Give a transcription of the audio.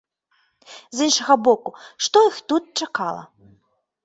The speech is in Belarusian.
З іншага боку, што іх тут чакала?